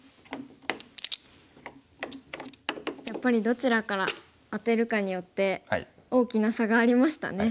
やっぱりどちらからアテるかによって大きな差がありましたね。